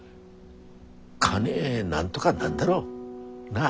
金なんとがなんだろう？なあ。